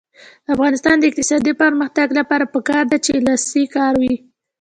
د افغانستان د اقتصادي پرمختګ لپاره پکار ده چې لاسي کار وي.